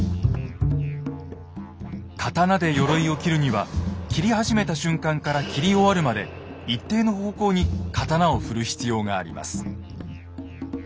刀でよろいを斬るには斬り始めた瞬間から斬り終わるまで一定の方向に刀を振る必要があります。